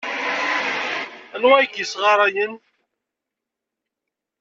Anwa ay k-yessɣarayen?